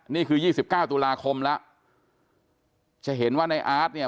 นี่คือยี่สิบเก้าตุลาคมแล้วจะเห็นว่าในอาร์ตเนี่ย